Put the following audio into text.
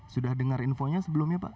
sudah dengar infonya sebelumnya pak